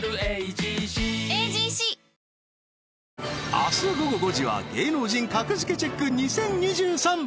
明日午後５時は『芸能人格付けチェック ！２０２３』